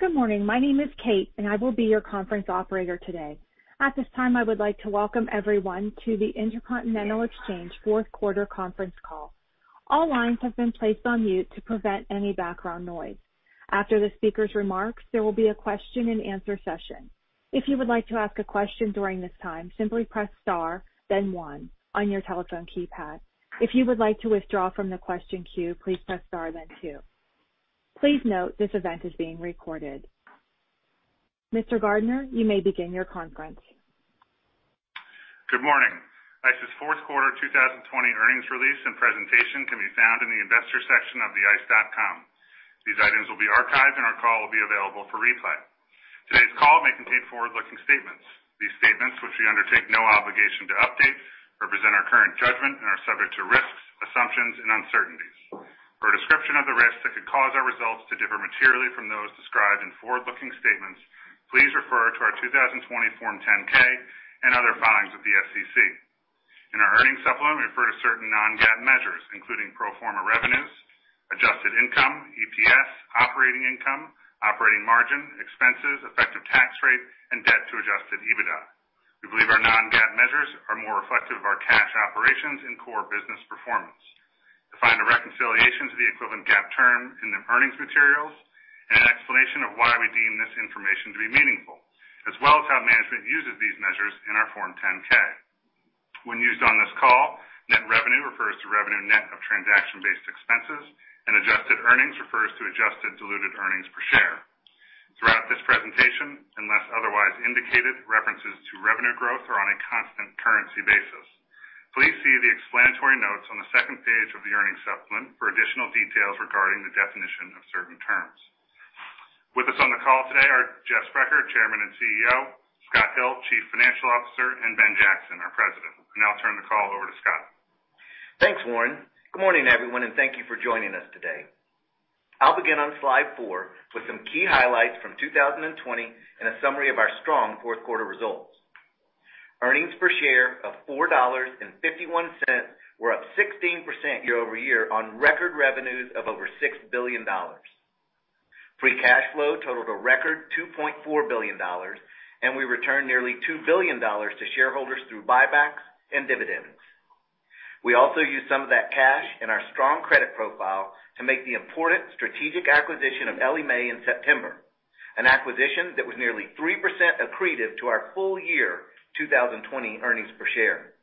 Good morning. My name is Kate, and I will be your conference operator today. At this time, I would like to welcome everyone to the Intercontinental Exchange fourth quarter conference call. All lines have been placed on mute to prevent any background noise. After the speaker's remarks, there will be a question and answer session. If you would like to ask a question during this time, simply press star, then one on your telephone keypad. If you would like to withdraw from the question queue, please press star, then two. Please note this event is being recorded. Mr. Gardiner, you may begin your conference. Good morning. ICE's fourth quarter 2020 earnings release and presentation can be found in the investor section of the ice.com. These items will be archived, and our call will be available for replay. Today's call may contain forward-looking statements. These statements, which we undertake no obligation to update, represent our current judgment and are subject to risks, assumptions, and uncertainties. For a description of the risks that could cause our results to differ materially from those described in forward-looking statements, please refer to our 2020 Form 10-K and other filings with the SEC. In our earnings supplement, we refer to certain non-GAAP measures, including pro forma revenues, adjusted income, EPS, operating income, operating margin, expenses, effective tax rate, and debt to adjusted EBITDA. We believe our non-GAAP measures are more reflective of our cash operations and core business performance. To find a reconciliation to the equivalent GAAP term in the earnings materials and an explanation of why we deem this information to be meaningful, as well as how management uses these measures in our Form 10-K. When used on this call, net revenue refers to revenue net of transaction-based expenses, and adjusted earnings refers to adjusted diluted earnings per share. Throughout this presentation, unless otherwise indicated, references to revenue growth are on a constant currency basis. Please see the explanatory notes on the second page of the earnings supplement for additional details regarding the definition of certain terms. With us on the call today are Jeff Sprecher, Chairman and CEO, Scott Hill, Chief Financial Officer, and Ben Jackson, our President. I'll now turn the call over to Scott. Thanks, Warren. Good morning, everyone, and thank you for joining us today. I'll begin on slide four with some key highlights from 2020 and a summary of our strong fourth quarter results. Earnings per share of $4.51 were up 16% year-over-year on record revenues of over $6 billion. Free cash flow totaled a record $2.4 billion, and we returned nearly $2 billion to shareholders through buybacks and dividends. We also used some of that cash and our strong credit profile to make the important strategic acquisition of Ellie Mae in September, an acquisition that was nearly 3% accretive to our full year 2020 earnings per share.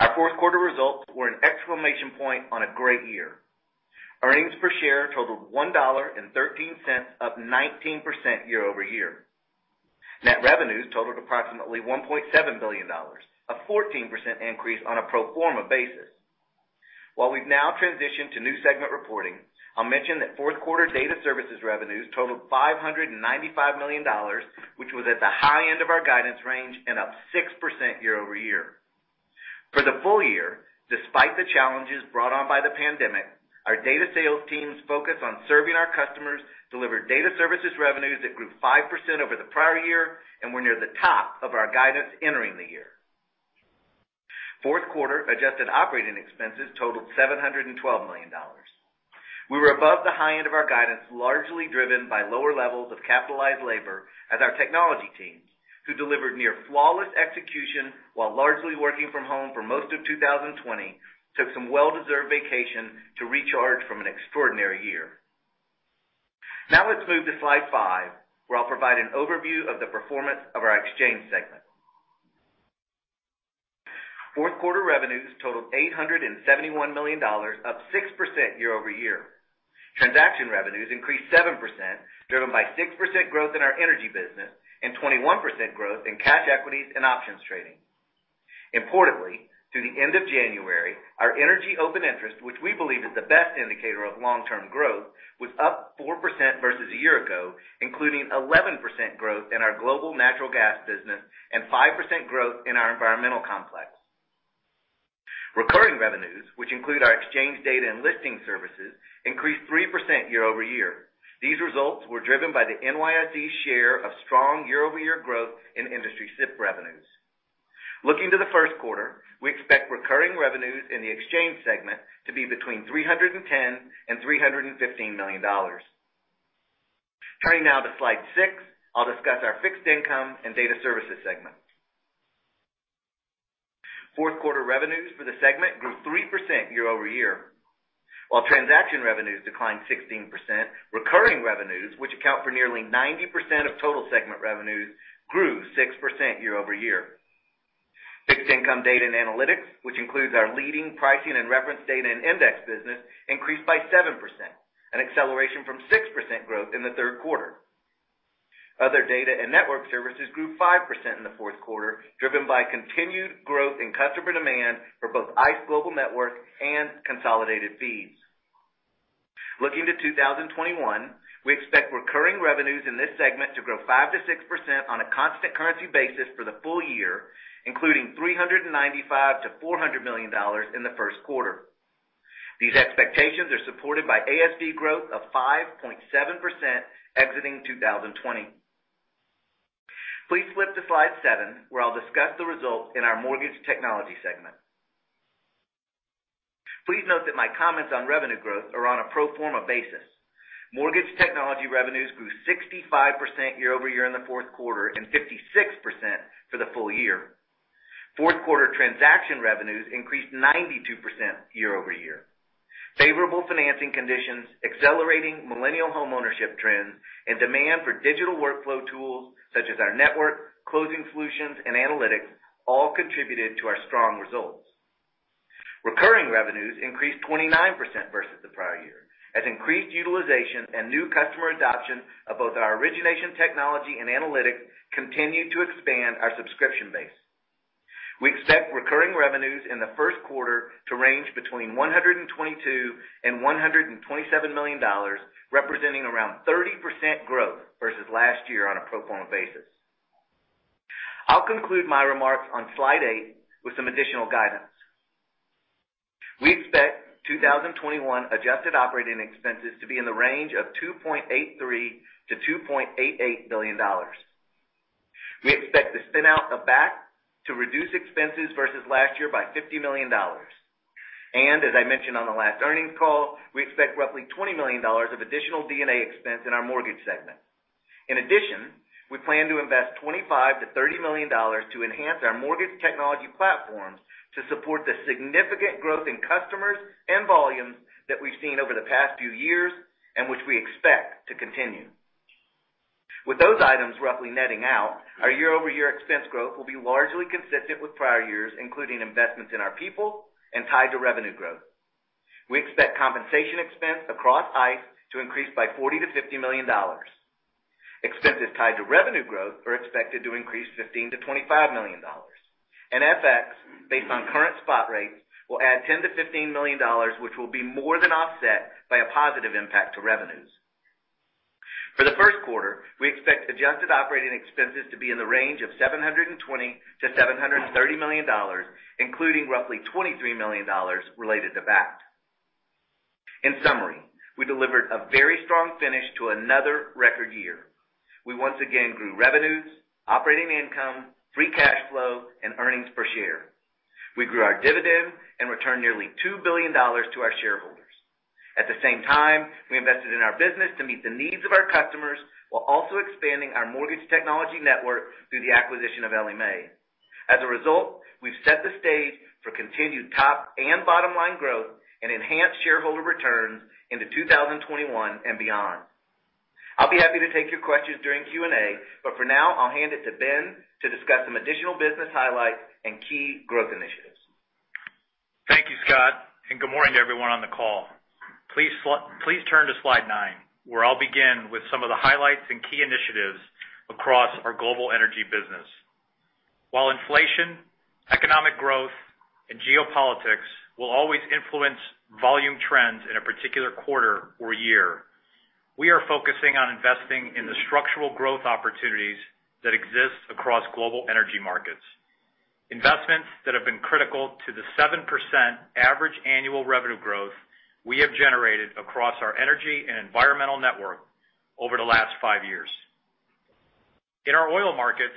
Our fourth quarter results were an exclamation point on a great year. Earnings per share totaled $1.13, up 19% year-over-year. Net revenues totaled approximately $1.7 billion, a 14% increase on a pro forma basis. While we've now transitioned to new segment reporting, I'll mention that fourth quarter Data Services revenues totaled $595 million, which was at the high end of our guidance range and up 6% year-over-year. For the full year, despite the challenges brought on by the pandemic, our data sales teams' focus on serving our customers delivered Data Services revenues that grew 5% over the prior year and were near the top of our guidance entering the year. Fourth quarter adjusted operating expenses totaled $712 million. We were above the high end of our guidance, largely driven by lower levels of capitalized labor as our technology teams, who delivered near flawless execution while largely working from home for most of 2020, took some well-deserved vacation to recharge from an extraordinary year. Now let's move to slide five, where I'll provide an overview of the performance of our exchange segment. Fourth quarter revenues totaled $871 million, up 6% year-over-year. Transaction revenues increased 7%, driven by 6% growth in our energy business and 21% growth in cash equities and options trading. Importantly, through the end of January, our energy open interest, which we believe is the best indicator of long-term growth, was up 4% versus a year ago, including 11% growth in our global natural gas business and 5% growth in our environmental complex. Recurring revenues, which include our exchange data and listing services, increased 3% year-over-year. These results were driven by the NYSE share of strong year-over-year growth in industry SIP revenues. Looking to the first quarter, we expect recurring revenues in the exchange segment to be between $310 million and $315 million. Turning now to slide six, I will discuss our fixed income and data services segment. Fourth quarter revenues for the segment grew 3% year-over-year. While transaction revenues declined 16%, recurring revenues, which account for nearly 90% of total segment revenues, grew 6% year-over-year. Fixed income data and analytics, which includes our leading pricing and reference data and index business, increased by 7%, an acceleration from 6% growth in the third quarter. Other data and network services grew 5% in the fourth quarter, driven by continued growth in customer demand for both ICE Global Network and ICE Consolidated Feed. Looking to 2021, we expect recurring revenues in this segment to grow 5%-6% on a constant currency basis for the full year, including $395 million-$400 million in the first quarter. These expectations are supported by ASV growth of 5.7% exiting 2020. Please flip to slide seven, where I'll discuss the results in our Mortgage Technology segment. Please note that my comments on revenue growth are on a pro forma basis. Mortgage technology revenues grew 65% year-over-year in the fourth quarter, and 56% for the full year. Fourth quarter transaction revenues increased 92% year-over-year. Favorable financing conditions, accelerating millennial homeownership trends, and demand for digital workflow tools such as our network closing solutions and analytics, all contributed to our strong results. Recurring revenues increased 29% versus the prior year, as increased utilization and new customer adoption of both our origination technology and analytics continued to expand our subscription base. We expect recurring revenues in the first quarter to range between $122 million and $127 million, representing around 30% growth versus last year on a pro forma basis. I'll conclude my remarks on slide eight with some additional guidance. We expect 2021 adjusted operating expenses to be in the range of $2.83 billion to $2.88 billion. We expect the spin-out of Bakkt to reduce expenses versus last year by $50 million. As I mentioned on the last earnings call, we expect roughly $20 million of additional D&A expense in our mortgage segment. In addition, we plan to invest $25 million-$30 million to enhance our mortgage technology platforms to support the significant growth in customers and volumes that we've seen over the past few years, and which we expect to continue. With those items roughly netting out, our year-over-year expense growth will be largely consistent with prior years, including investments in our people and tied to revenue growth. We expect compensation expense across ICE to increase by $40 million-$50 million. Expenses tied to revenue growth are expected to increase $15 million-$25 million. FX, based on current spot rates, will add $10 million-$15 million, which will be more than offset by a positive impact to revenues. For the first quarter, we expect adjusted operating expenses to be in the range of $720 million-$730 million, including roughly $23 million related to Bakkt. In summary, we delivered a very strong finish to another record year. We once again grew revenues, operating income, free cash flow, and earnings per share. We grew our dividend and returned nearly $2 billion to our shareholders. At the same time, we invested in our business to meet the needs of our customers, while also expanding our Mortgage Technology Network through the acquisition of Ellie Mae. As a result, we've set the stage for continued top and bottom-line growth and enhanced shareholder returns into 2021 and beyond. I'll be happy to take your questions during Q&A, but for now, I'll hand it to Ben to discuss some additional business highlights and key growth initiatives. Thank you, Scott, and good morning to everyone on the call. Please turn to slide nine, where I'll begin with some of the highlights and key initiatives across our global energy business. While inflation, economic growth, and geopolitics will always influence volume trends in a particular quarter or year, we are focusing on investing in the structural growth opportunities that exist across global energy markets, investments that have been critical to the 7% average annual revenue growth we have generated across our energy and environmental network over the last five years. In our oil markets,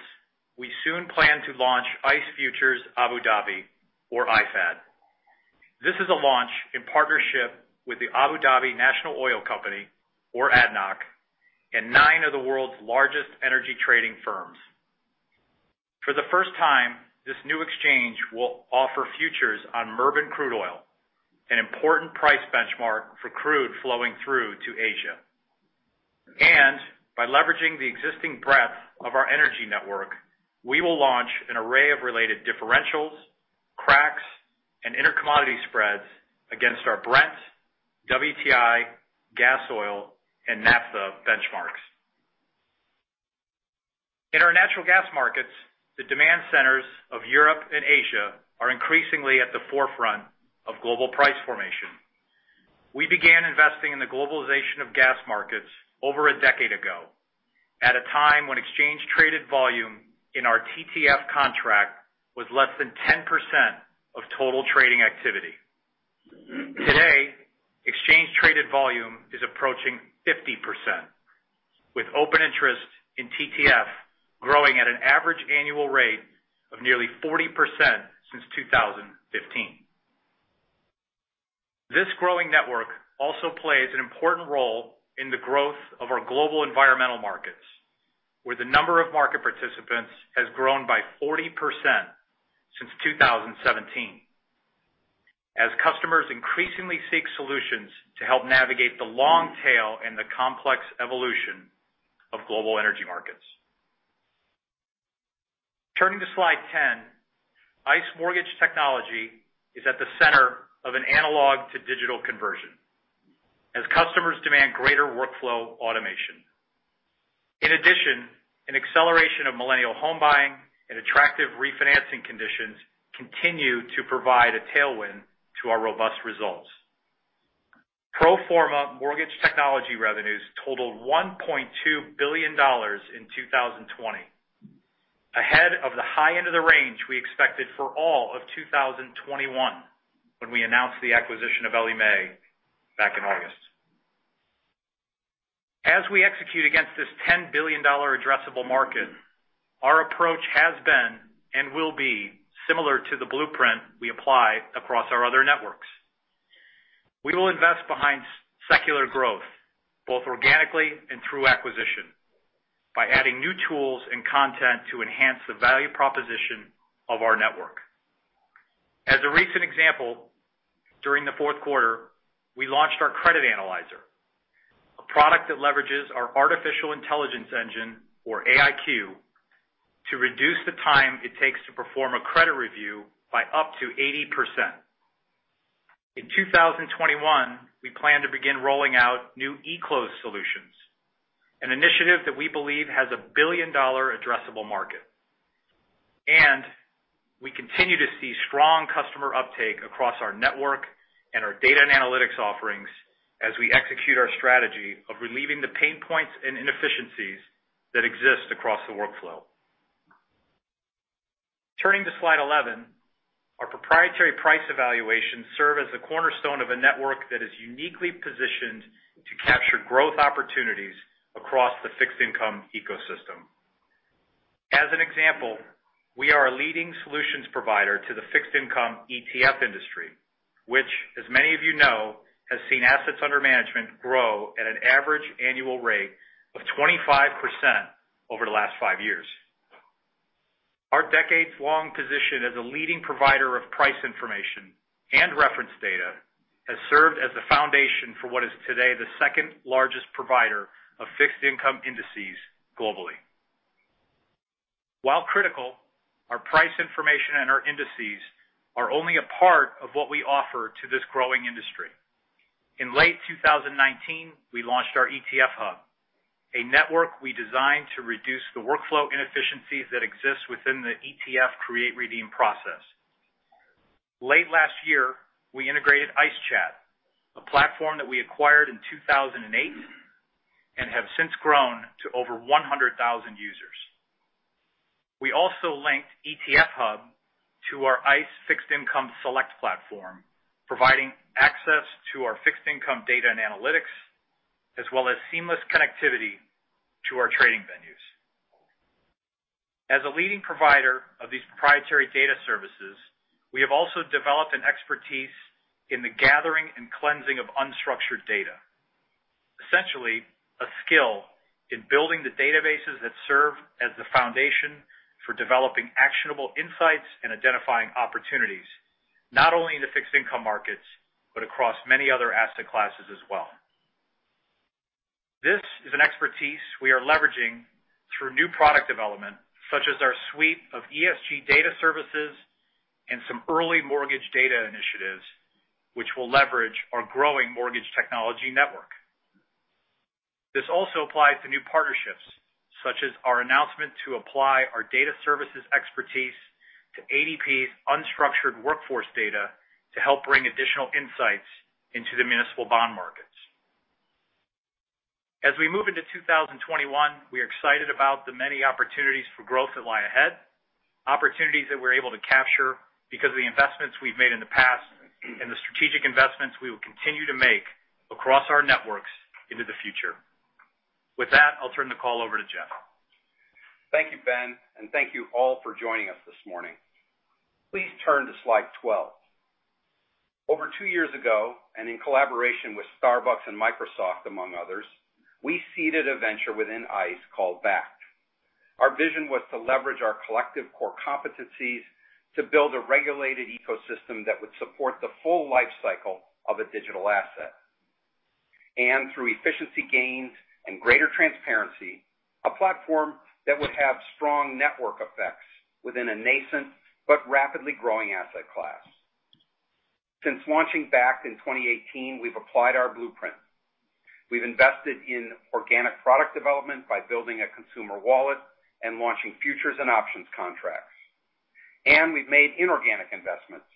we soon plan to launch ICE Futures Abu Dhabi, or IFAD. This is a launch in partnership with the Abu Dhabi National Oil Company, or ADNOC, and nine of the world's largest energy trading firms. For the first time, this new exchange will offer futures on Murban crude oil, an important price benchmark for crude flowing through to Asia. By leveraging the existing breadth of our energy network, we will launch an array of related differentials, cracks, and inter-commodity spreads against our Brent, WTI, Gasoil, and Naphtha benchmarks. In our natural gas markets, the demand centers of Europe and Asia are increasingly at the forefront of global price formation. We began investing in the globalization of gas markets over a decade ago, at a time when exchange-traded volume in our TTF contract was less than 10% of total trading activity. Today, exchange-traded volume is approaching 50%, with open interest in TTF growing at an average annual rate of nearly 40% since 2015. This growing network also plays an important role in the growth of our global environmental markets, where the number of market participants has grown by 40% since 2017, as customers increasingly seek solutions to help navigate the long tail and the complex evolution of global energy markets. Turning to slide 10, ICE Mortgage Technology is at the center of an analog to digital conversion as customers demand greater workflow automation. In addition, an acceleration of millennial home buying and attractive refinancing conditions continue to provide a tailwind to our robust results. Pro forma mortgage technology revenues totaled $1.2 billion in 2020, ahead of the high end of the range we expected for all of 2021 when we announced the acquisition of Ellie Mae back in August. As we execute against this $10 billion addressable market, our approach has been and will be similar to the blueprint we apply across our other networks. We will invest behind secular growth, both organically and through acquisition, by adding new tools and content to enhance the value proposition of our network. As a recent example, during the fourth quarter, we launched our Credit Analyzer, a product that leverages our artificial intelligence engine, or AIQ, to reduce the time it takes to perform a credit review by up to 80%. In 2021, we plan to begin rolling out new eClose solutions, an initiative that we believe has a billion-dollar addressable market. We continue to see strong customer uptake across our network and our data and analytics offerings as we execute our strategy of relieving the pain points and inefficiencies that exist across the workflow. Turning to slide 11, our proprietary price evaluations serve as the cornerstone of a network that is uniquely positioned to capture growth opportunities across the fixed income ecosystem. As an example, we are a leading solutions provider to the fixed income ETF industry, which, as many of you know, has seen assets under management grow at an average annual rate of 25% over the last five years. Our decades-long position as a leading provider of price information and reference data has served as the foundation for what is today the second-largest provider of fixed income indices globally. While critical, our price information and our indices are only a part of what we offer to this growing industry. In late 2019, we launched our ETF Hub, a network we designed to reduce the workflow inefficiencies that exist within the ETF create-redeem process. Late last year, we integrated ICE Chat, a platform that we acquired in 2008 and have since grown to over 100,000 users. We also linked ETF Hub to our ICE Fixed Income Select platform, providing access to our fixed income data and analytics, as well as seamless connectivity to our trading venues. As a leading provider of these proprietary data services, we have also developed an expertise in the gathering and cleansing of unstructured data. Essentially, a skill in building the databases that serve as the foundation for developing actionable insights and identifying opportunities, not only in the fixed income markets, but across many other asset classes as well. This is an expertise we are leveraging through new product development, such as our suite of ESG data services and some early mortgage data initiatives, which will leverage our growing mortgage technology network. This also applies to new partnerships, such as our announcement to apply our data services expertise to ADP's unstructured workforce data to help bring additional insights into the municipal bond markets. As we move into 2021, we're excited about the many opportunities for growth that lie ahead, opportunities that we're able to capture because of the investments we've made in the past and the strategic investments we will continue to make across our networks into the future. With that, I'll turn the call over to Jeff. Thank you, Ben, and thank you all for joining us this morning. Please turn to slide 12. Over two years ago, and in collaboration with Starbucks and Microsoft, among others, we seeded a venture within ICE called Bakkt. Our vision was to leverage our collective core competencies to build a regulated ecosystem that would support the full life cycle of a digital asset. Through efficiency gains and greater transparency, a platform that would have strong network effects within a nascent but rapidly growing asset class. Since launching Bakkt in 2018, we've applied our blueprint. We've invested in organic product development by building a consumer wallet and launching futures and options contracts. We've made inorganic investments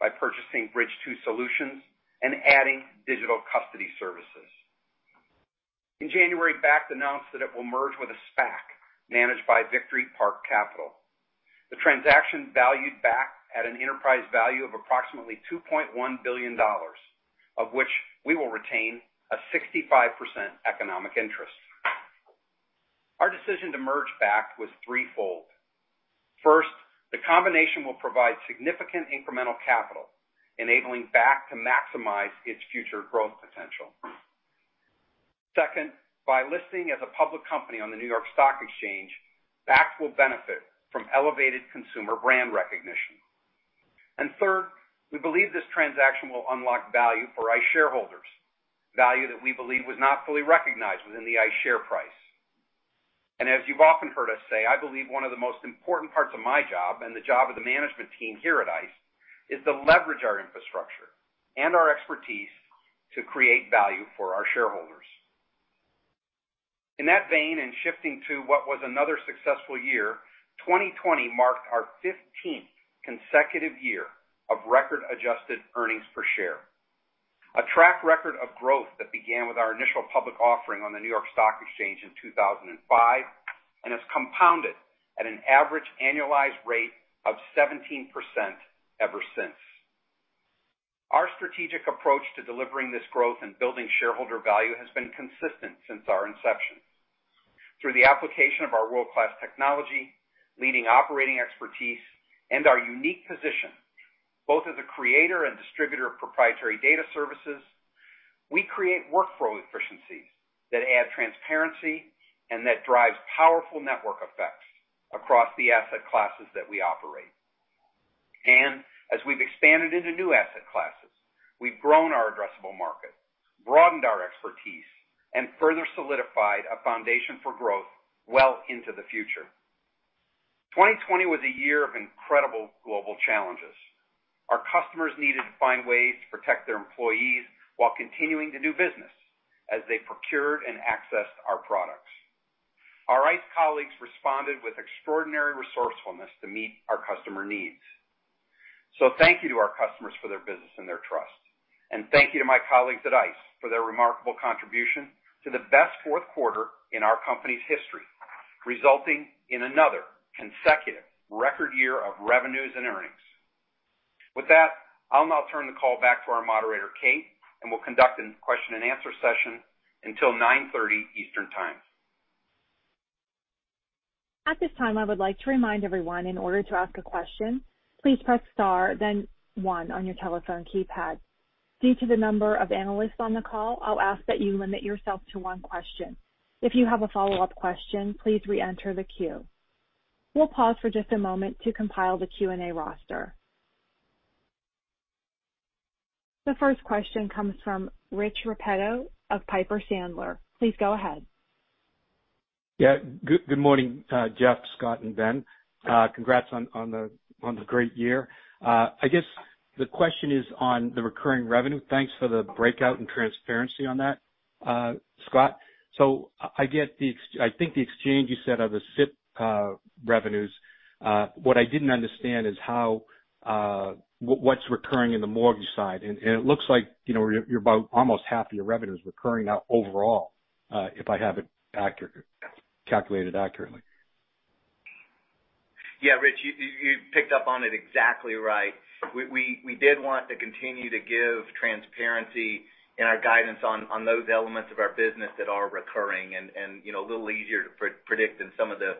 by purchasing Bridge2 Solutions and adding digital custody services. In January, Bakkt announced that it will merge with a SPAC managed by Victory Park Capital. The transaction valued Bakkt at an enterprise value of approximately $2.1 billion, of which we will retain a 65% economic interest. Our decision to merge Bakkt was threefold. First, the combination will provide significant incremental capital, enabling Bakkt to maximize its future growth potential. Second, by listing as a public company on the New York Stock Exchange, Bakkt will benefit from elevated consumer brand recognition. Third, we believe this transaction will unlock value for ICE shareholders, value that we believe was not fully recognized within the ICE share price. As you've often heard us say, I believe one of the most important parts of my job and the job of the management team here at ICE is to leverage our infrastructure and our expertise to create value for our shareholders. In that vein, and shifting to what was another successful year, 2020 marked our 15th consecutive year of record adjusted earnings per share. A track record of growth that began with our initial public offering on the New York Stock Exchange in 2005, and has compounded at an average annualized rate of 17% ever since. Our strategic approach to delivering this growth and building shareholder value has been consistent since our inception. Through the application of our world-class technology, leading operating expertise, and our unique position, both as a creator and distributor of proprietary data services, we create workflow efficiencies that add transparency and that drives powerful network effects across the asset classes that we operate. As we've expanded into new asset classes, we've grown our addressable market, broadened our expertise, and further solidified a foundation for growth well into the future. 2020 was a year of incredible global challenges. Our customers needed to find ways to protect their employees while continuing to do business as they procured and accessed our products. Our ICE colleagues responded with extraordinary resourcefulness to meet our customer needs. Thank you to our customers for their business and their trust. Thank you to my colleagues at ICE for their remarkable contribution to the best fourth quarter in our company's history, resulting in another consecutive record year of revenues and earnings. With that, I'll now turn the call back to our moderator, Kate, and we'll conduct a question and answer session until 9:30 Eastern Time. At this time, I would like to remind everyone in order to ask a question, please press star then one on your telephone keypad. Due to the number of analysts on the call, I'll ask that you limit yourself to one question. If you have a follow-up question, please re-enter the queue. We'll pause for just a moment to compile the Q&A roster. The first question comes from Rich Repetto of Piper Sandler. Please go ahead. Good morning, Jeff, Scott, and Ben. Congrats on the great year. The question is on the recurring revenue. Thanks for the breakout and transparency on that, Scott. The exchange you said are the SIP revenues. What I didn't understand is what's recurring in the mortgage side. It looks like you're about almost half of your revenue is recurring now overall, if I have it calculated accurately. Yeah, Rich, you picked up on it exactly right. We did want to continue to give transparency in our guidance on those elements of our business that are recurring and a little easier to predict than some of the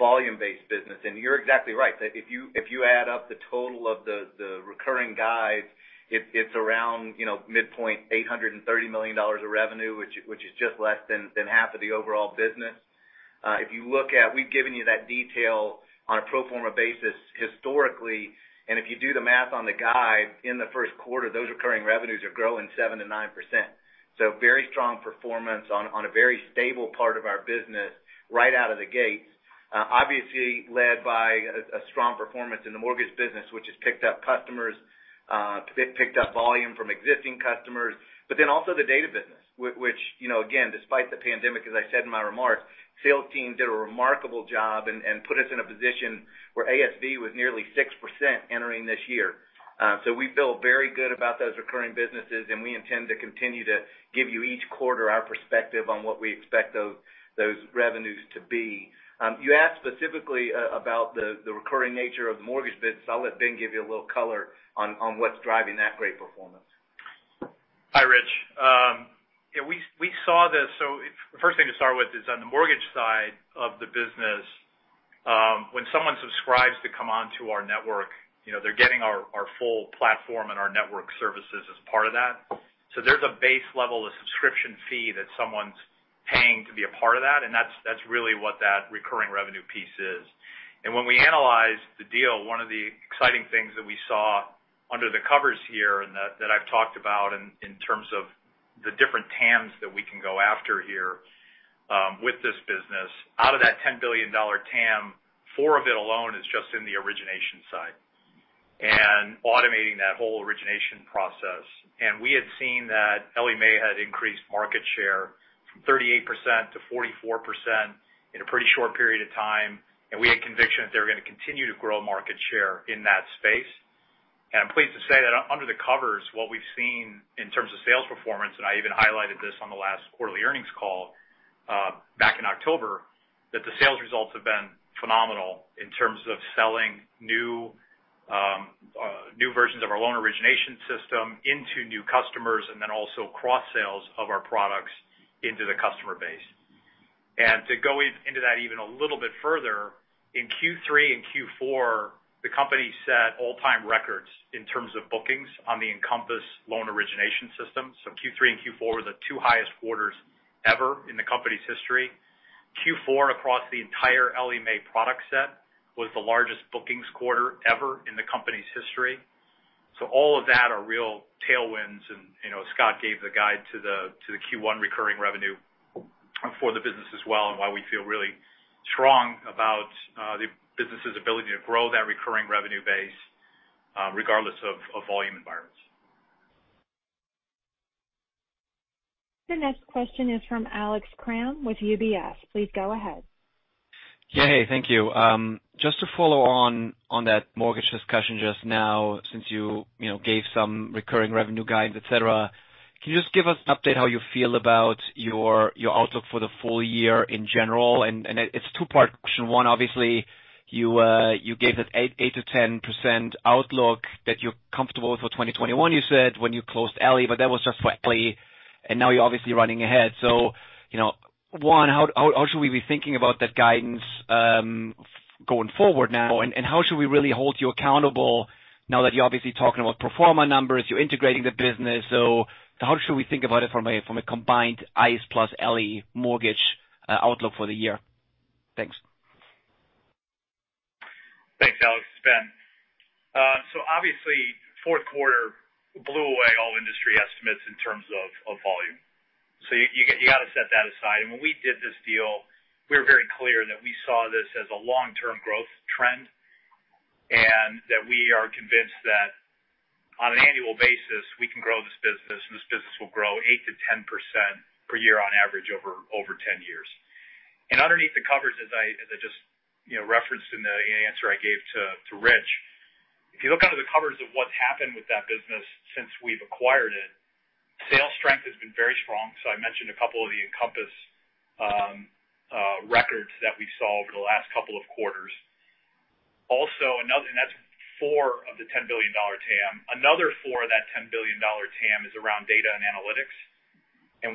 volume-based business. You're exactly right. If you add up the total of the recurring guide, it's around midpoint $830 million of revenue, which is just less than half of the overall business. If you look at, we've given you that detail on a pro forma basis historically, and if you do the math on the guide in the first quarter, those recurring revenues are growing 7%-9%. Very strong performance on a very stable part of our business right out of the gates. Obviously led by a strong performance in the mortgage business, which has picked up volume from existing customers. Also the data business, which, again, despite the pandemic, as I said in my remarks, sales team did a remarkable job and put us in a position where ASV was nearly 6% entering this year. We feel very good about those recurring businesses, and we intend to continue to give you each quarter our perspective on what we expect those revenues to be. You asked specifically about the recurring nature of the mortgage business. I'll let Ben give you a little color on what's driving that great performance. Hi, Rich. We saw this. The first thing to start with is on the mortgage side of the business. When someone subscribes to come onto our network, they're getting our full platform and our network services as part of that. There's a base level of subscription fee that someone's paying to be a part of that, and that's really what that recurring revenue piece is. When we analyzed the deal, one of the exciting things that we saw under the covers here and that I've talked about in terms of the different TAMs that we can go after here with this business. Out of that $10 billion TAM, $4 billion of it alone is just in the origination side and automating that whole origination process. We had seen that Ellie Mae had increased market share from 38%-44% in a pretty short period of time, and we had conviction that they were going to continue to grow market share in that space. I'm pleased to say that under the covers, what we've seen in terms of sales performance, and I even highlighted this on the last quarterly earnings call back in October, that the sales results have been phenomenal in terms of selling new versions of our loan origination system into new customers, and then also cross sales of our products into the customer base. To go into that even a little bit further, in Q3 and Q4, the company set all-time records in terms of bookings on the Encompass Loan Origination System. Q3 and Q4 were the two highest quarters ever in the company's history. Q4 across the entire Ellie Mae product set was the largest bookings quarter ever in the company's history. All of that are real tailwinds, and Scott gave the guide to the Q1 recurring revenue for the business as well and why we feel really strong about the business's ability to grow that recurring revenue base regardless of volume environments. The next question is from Alex Kramm with UBS. Please go ahead. Yeah. Hey, thank you. Just to follow on that mortgage discussion just now, since you gave some recurring revenue guide, et cetera. Can you just give us an update how you feel about your outlook for the full year in general? It's two-part question. One, obviously, you gave that 8%-10% outlook that you're comfortable with for 2021, you said when you closed Ellie, but that was just for Ellie. Now you're obviously running ahead. One, how should we be thinking about that guidance going forward now, and how should we really hold you accountable now that you're obviously talking about pro forma numbers, you're integrating the business? How should we think about it from a combined ICE plus Ellie Mae mortgage outlook for the year? Thanks. Thanks, Alex. It's Ben. Obviously, fourth quarter blew away all industry estimates in terms of volume. You got to set that aside. When we did this deal, we were very clear that we saw this as a long-term growth trend, and that we are convinced that on an annual basis, we can grow this business, and this business will grow 8%-10% per year on average over 10 years. Underneath the covers, as I just referenced in the answer I gave to Rich. If you look under the covers of what's happened with that business since we've acquired it, sales strength has been very strong. I mentioned a couple of the Encompass records that we saw over the last couple of quarters. That's $4 billion of the $10 billion TAM. Another $4 billion of that $10 billion TAM is around data and analytics.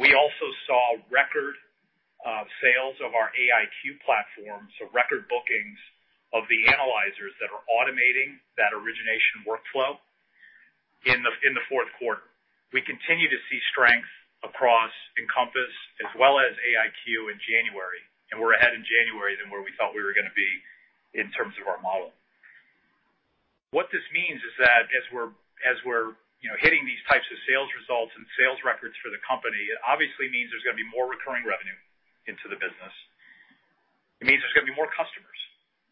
We also saw record sales of our AIQ platform. Record bookings of the analyzers that are automating that origination workflow in the fourth quarter. We continue to see strength across Encompass as well as AIQ in January, and we're ahead in January than where we thought we were going to be in terms of our model. What this means is that as we're hitting these types of sales results and sales records for the company, it obviously means there's going to be more recurring revenue into the business. It means there's going to be more customers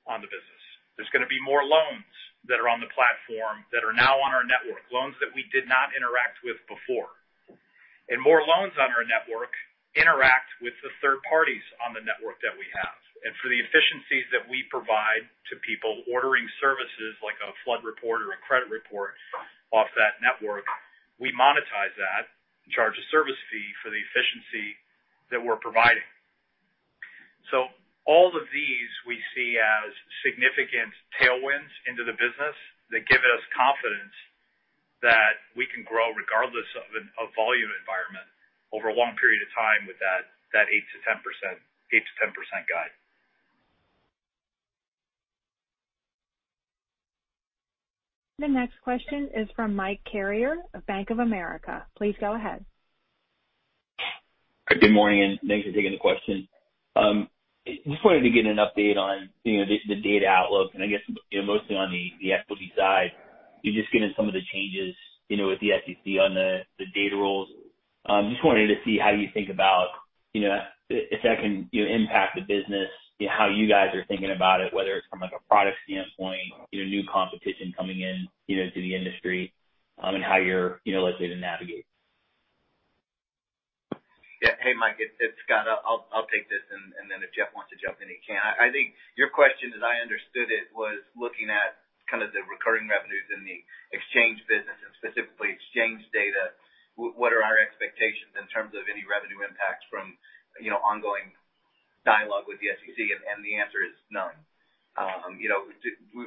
on the business. There's going to be more loans that are on the platform that are now on our network, loans that we did not interact with before. More loans on our network interact with the third parties on the network that we have. For the efficiencies that we provide to people ordering services like a flood report or a credit report off that network, we monetize that and charge a service fee for the efficiency that we're providing. All of these we see as significant tailwinds into the business that give us confidence that we can grow regardless of volume environment over a long period of time with that 8%-10% guide. The next question is from Mike Carrier of Bank of America. Please go ahead. Good morning. Thanks for taking the question. Just wanted to get an update on the data outlook and I guess, mostly on the equity side. Just given some of the changes with the SEC on the data rules. Just wanted to see how you think about if that can impact the business, how you guys are thinking about it, whether it's from a product standpoint, new competition coming into the industry, and how you're likely to navigate. Hey, Mike, it's Scott. I'll take this, and then if Jeff wants to jump in, he can. I think your question, as I understood it, was looking at kind of the recurring revenues in the exchange business and specifically exchange data. What are our expectations in terms of any revenue impacts from ongoing dialogue with the SEC? The answer is none.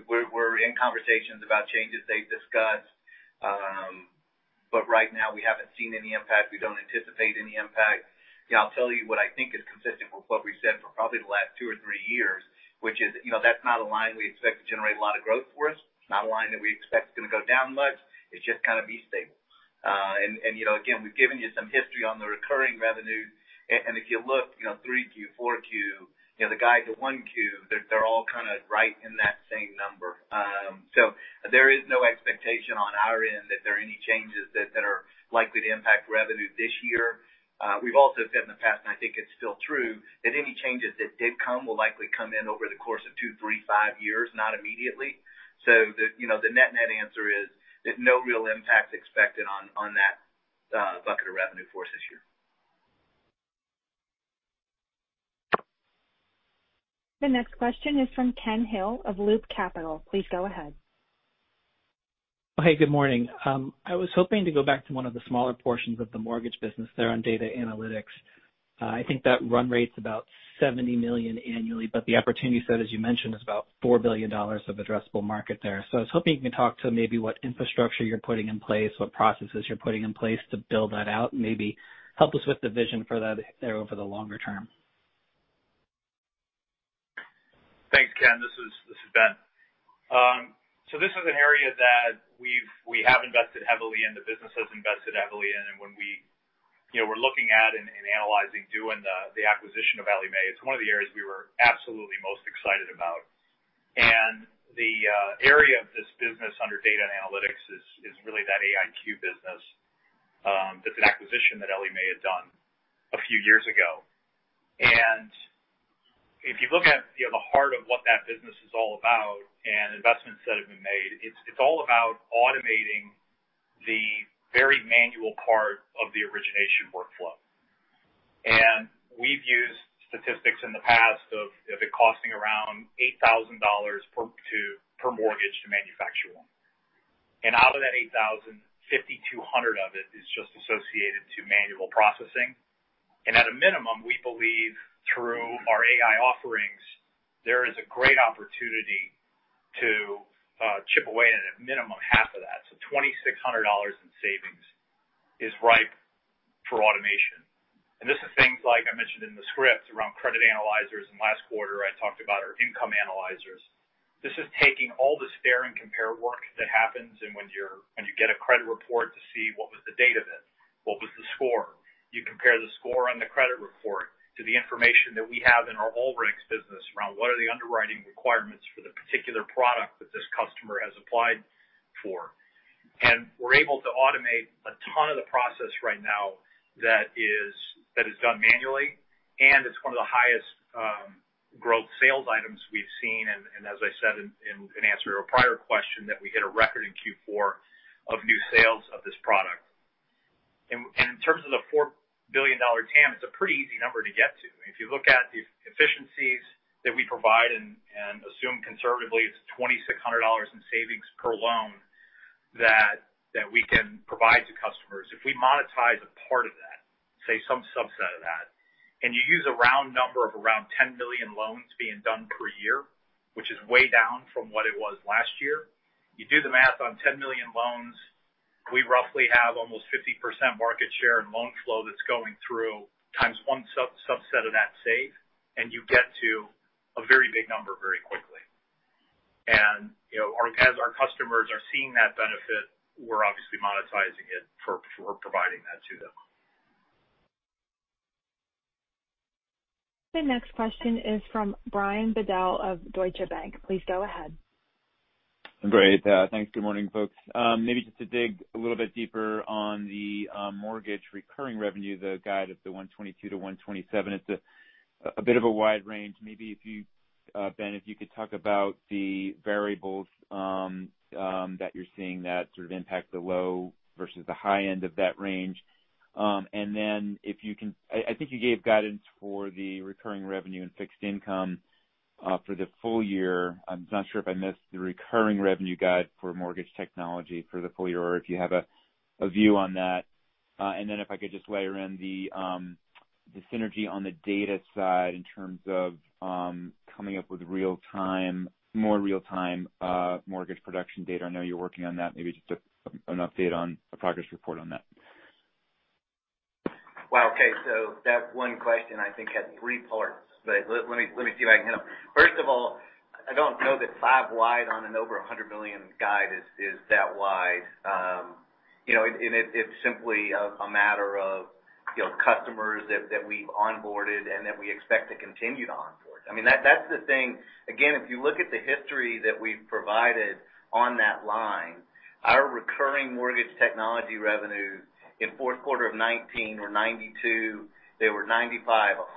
We're in conversations about changes they've discussed. Right now, we haven't seen any impact. We don't anticipate any impact. I'll tell you what I think is consistent with what we've said for probably the last two or three years, which is that's not a line we expect to generate a lot of growth for us. It's not a line that we expect is going to go down much. It's just kind of be stable. Again, we've given you some history on the recurring revenues, and if you look 3Q, 4Q, the guide to 1Q, they're all kind of right in that same number. There is no expectation on our end that there are any changes that are likely to impact revenue this year. We've also said in the past, and I think it's still true, that any changes that did come will likely come in over the course of two, three, five years, not immediately. The net-net answer is, there's no real impact expected on that bucket of revenue for us this year. The next question is from Ken Hill of Loop Capital. Please go ahead. Hey, good morning. I was hoping to go back to one of the smaller portions of the mortgage business there on data analytics. I think that run rate's about $70 million annually, but the opportunity set, as you mentioned, is about $4 billion of addressable market there. I was hoping you can talk to maybe what infrastructure you're putting in place, what processes you're putting in place to build that out, and maybe help us with the vision for that there over the longer term. Thanks, Ken. This is Ben. This is an area that we have invested heavily in, the business has invested heavily in, and when we were looking at and analyzing doing the acquisition of Ellie Mae, it's one of the areas we were absolutely most excited about. The area of this business under data and analytics is really that AIQ business. That's an acquisition that Ellie Mae had done a few years ago. If you look at the heart of what that business is all about and investments that have been made, it's all about automating the very manual part of the origination workflow. We've used statistics in the past of it costing around $8,000 per mortgage to manufacture one. Out of that $8,000, $5,200 of it is just associated to manual processing. At a minimum, we believe through our AI offerings, there is a great opportunity to chip away at a minimum half of that. $2,600 in savings is ripe for automation. This is things like I mentioned in the script around Credit Analyzers, and last quarter I talked about our income analyzers. This is taking all the stare and compare work that happens and when you get a credit report to see what was the date of it, what was the score. You compare the score on the credit report to the information that we have in our AllRegs business around what are the underwriting requirements for the particular product that this customer has applied for. We're able to automate a ton of the process right now that is done manually, and it's one of the highest growth sales items we've seen. As I said in answer to a prior question, that we hit a record in Q4 of new sales of this product. In terms of the $4 billion TAM, it's a pretty easy number to get to. If you look at the efficiencies that we provide and assume conservatively it's $2,600 in savings per loan that we can provide to customers, if we monetize a part of that, say some subset of that, and you use a round number of around 10 million loans being done per year, which is way down from what it was last year. You do the math on 10 million loans, we roughly have almost 50% market share in loan flow that's going through, times one subset of that saved, and you get to a very big number very quickly. As our customers are seeing that benefit, we're obviously monetizing it for providing that to them. The next question is from Brian Bedell of Deutsche Bank. Please go ahead. Great. Thanks. Good morning, folks. To dig a little bit deeper on the mortgage recurring revenue, the guide of $122-$127. It's a bit of a wide range. If you, Ben, if you could talk about the variables that you're seeing that sort of impact the low versus the high end of that range. I think you gave guidance for the recurring revenue and fixed income for the full year. I'm not sure if I missed the recurring revenue guide for ICE Mortgage Technology for the full year or if you have a view on that. If I could just layer in the synergy on the data side in terms of coming up with more real-time mortgage production data. I know you're working on that. Just an update on a progress report on that. Wow, okay. That one question, I think, had three parts. Let me see if I can hit them. First of all, I don't know that five wide on an over $100 million guide is that wide. It's simply a matter of customers that we've onboarded and that we expect to continue to onboard. That's the thing. Again, if you look at the history that we've provided on that line, our recurring mortgage technology revenue in fourth quarter of 2019 were $92, they were $95,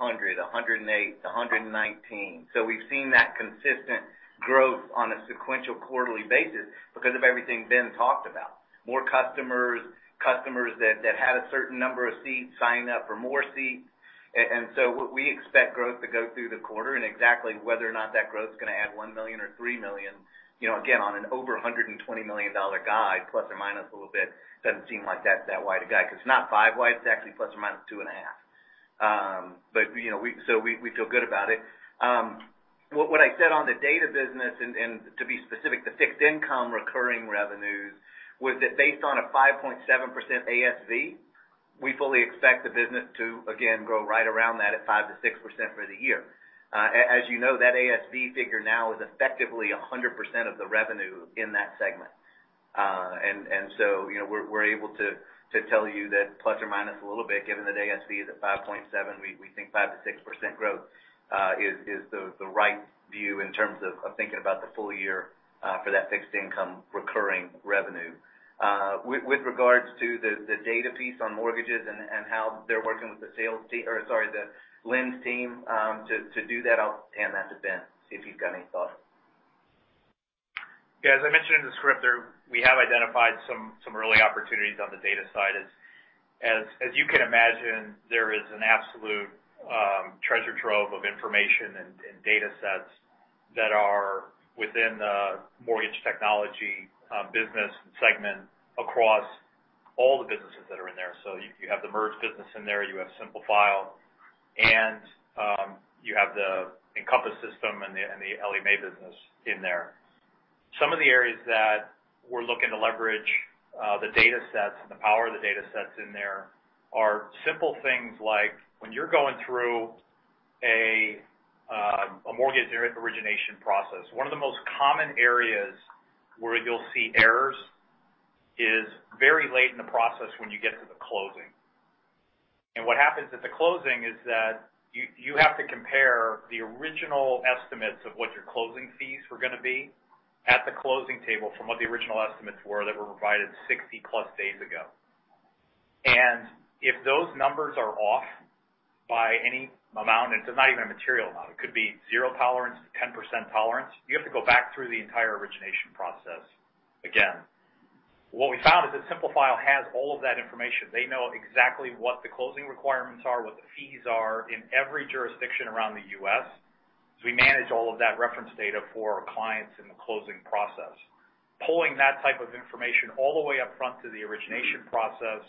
$100, $108, $119. We've seen that consistent growth on a sequential quarterly basis because of everything Ben talked about. More customers that had a certain number of seats signing up for more seats. What we expect growth to go through the quarter and exactly whether or not that growth is going to add one million or three million, again, on an over $120 million guide, plus or minus a little bit, doesn't seem like that's that wide a guide because it's not five wide, it's actually plus or minus two and a half. We feel good about it. What I said on the data business, to be specific, the fixed income recurring revenues, was that based on a 5.7% ASV, we fully expect the business to, again, grow right around that at 5%-6% for the year. As you know, that ASV figure now is effectively 100% of the revenue in that segment. We're able to tell you that plus or minus a little bit, given that ASV is at 5.7%, we think 5%-6% growth is the right view in terms of thinking about the full year for that fixed income recurring revenue. With regards to the data piece on mortgages and how they're working with the Lynn's team to do that, I'll hand that to Ben, see if you've got any thoughts. Yeah, as I mentioned in the script there, we have identified some early opportunities on the data side. As you can imagine, there is an absolute treasure trove of information and data sets that are within the mortgage technology business segment across all the businesses that are in there. You have the MERS business in there, you have Simplifile, and you have the Encompass system and the Ellie Mae business in there. Some of the areas that we're looking to leverage the data sets and the power of the data sets in there are simple things like when you're going through a mortgage origination process, one of the most common areas where you'll see errors is very late in the process when you get to the closing. What happens at the closing is that you have to compare the original estimates of what your closing fees were going to be at the closing table from what the original estimates were that were provided 60-plus days ago. If those numbers are off by any amount, it's not even a material amount. It could be zero tolerance, 10% tolerance. You have to go back through the entire origination process again. What we found is that Simplifile has all of that information. They know exactly what the closing requirements are, what the fees are in every jurisdiction around the U.S. We manage all of that reference data for our clients in the closing process, pulling that type of information all the way up front to the origination process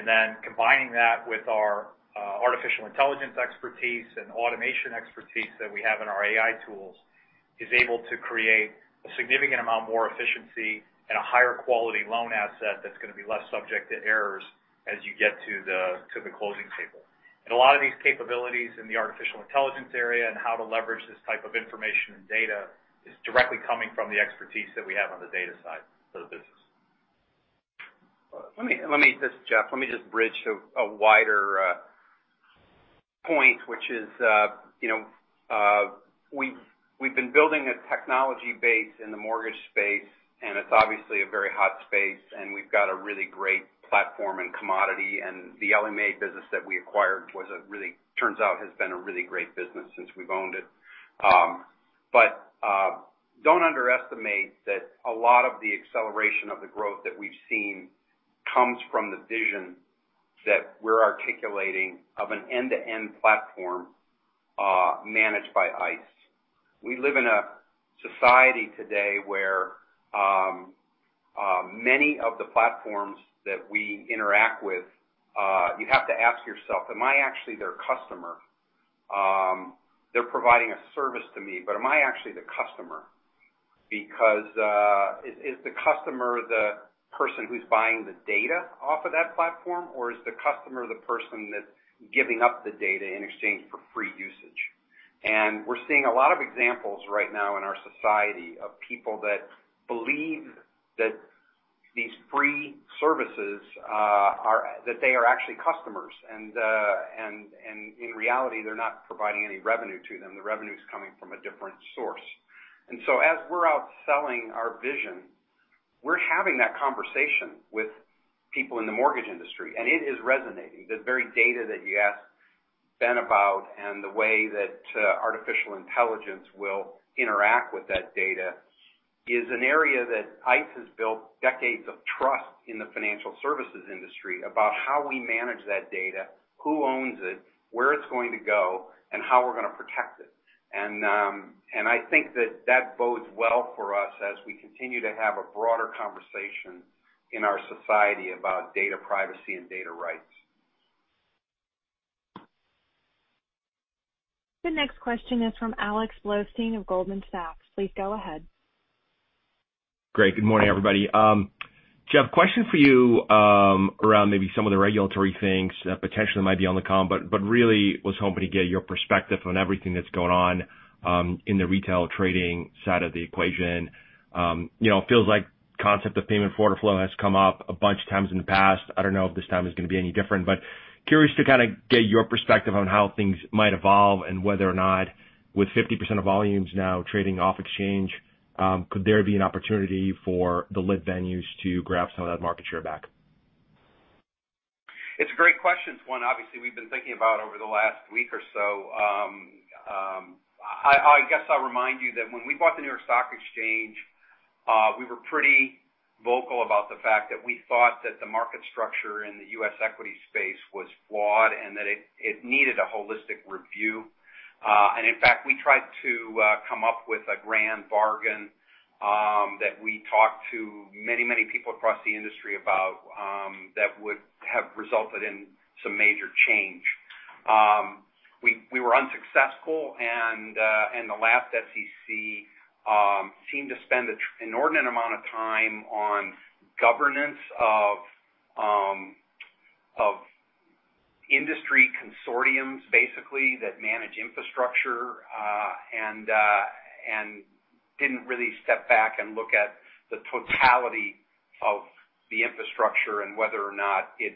and then combining that with our artificial intelligence expertise and automation expertise that we have in our AI tools, is able to create a significant amount more efficiency and a higher quality loan asset that's going to be less subject to errors as you get to the closing table. A lot of these capabilities in the artificial intelligence area and how to leverage this type of information and data is directly coming from the expertise that we have on the data side of the business. This is Jeff. Let me just bridge to a wider point, which is, we've been building a technology base in the mortgage space, and it's obviously a very hot space, and we've got a really great platform and commodity. The Ellie Mae business that we acquired turns out has been a really great business since we've owned it. Don't underestimate that a lot of the acceleration of the growth that we've seen comes from the vision that we're articulating of an end-to-end platform, managed by ICE. We live in a society today where many of the platforms that we interact with, you have to ask yourself, "Am I actually their customer? They're providing a service to me, am I actually the customer? Is the customer the person who's buying the data off of that platform, or is the customer the person that's giving up the data in exchange for free usage? We're seeing a lot of examples right now in our society of people that believe that these free services, that they are actually customers. In reality, they're not providing any revenue to them. The revenue's coming from a different source. As we're out selling our vision, we're having that conversation with people in the mortgage industry, and it is resonating. The very data that you asked Ben about and the way that artificial intelligence will interact with that data is an area that ICE has built decades of trust in the financial services industry about how we manage that data, who owns it, where it's going to go, and how we're going to protect it. And I think that that bodes well for us as we continue to have a broader conversation in our society about data privacy and data rights. The next question is from Alex Blostein of Goldman Sachs. Please go ahead. Great. Good morning, everybody. Jeff, question for you around maybe some of the regulatory things that potentially might be on the come, but really was hoping to get your perspective on everything that's going on in the retail trading side of the equation. It feels like concept of payment for order flow has come up a bunch of times in the past. I don't know if this time is going to be any different. Curious to kind of get your perspective on how things might evolve and whether or not with 50% of volumes now trading off exchange, could there be an opportunity for the lit venues to grab some of that market share back? It's a great question. It's one obviously we've been thinking about over the last week or so. I guess I'll remind you that when we bought the New York Stock Exchange, we were pretty vocal about the fact that we thought that the market structure in the U.S. equity space was flawed and that it needed a holistic review. In fact, we tried to come up with a grand bargain that we talked to many people across the industry about that would have resulted in some major change. We were unsuccessful and the last SEC seemed to spend an inordinate amount of time on governance of industry consortiums, basically, that manage infrastructure, and didn't really step back and look at the totality of the infrastructure and whether or not it